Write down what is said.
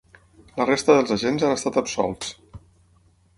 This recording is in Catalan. La resta dels agents han estat absolts.